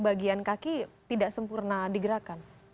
bagian kaki tidak sempurna digerakkan